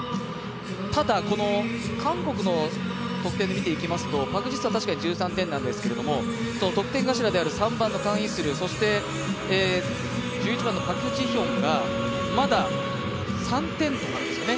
ただ、この韓国の得点で見ていきますとパク・ジスは１３点なんですけれども得点頭である３番のカン・イスルそして、１１番のパク・ジヒョンがまだ、３点とかなんですね。